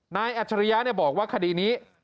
นายอัชริยาเนี่ยบอกว่าคดีนี้